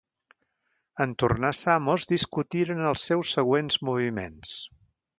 En tornar a Samos discutiren els seus següents moviments.